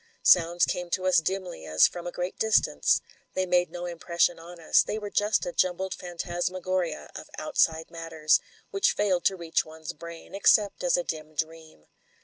Sounds came to us dimly as from a great dis tance ; they made no impression on us — they were just a jumbled phantasmagoria of outside matters, which failed to reach one's brain, except as a dim dream.